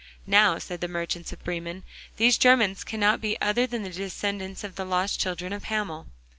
'Now,' said the merchants of Bremen, 'these Germans cannot be other than the descendants of the lost children of Hamel.